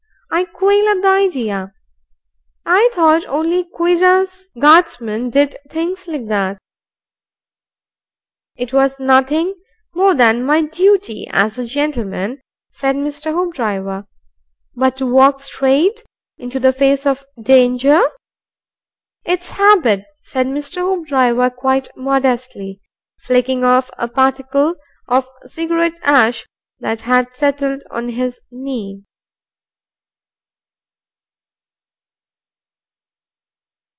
I quail at the idea. I thought only Ouida's guardsmen did things like that." "It was nothing more than my juty as a gentleman," said Mr. Hoopdriver. "But to walk straight into the face of danger!" "It's habit," said Mr. Hoopdriver, quite modestly, flicking off a particle of cigarette ash that had settled on his knee.